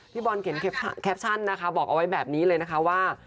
พี่บอลเขียนแคปชั่นนะคะบอกเอาไว้แบบนี้เลยนะคะว่า